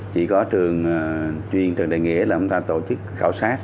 chỉ có trường chuyên trường đại nghĩa là chúng ta tổ chức khảo sát